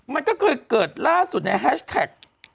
มันก็เคยเกิดล่าสุดในแฮชแท็ก